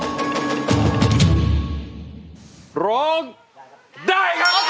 แล้วก็เห็นสายตามุ่งมั่นของคนที่เป็นลูกที่แม่นั่งอยู่ตรงนี้ด้วย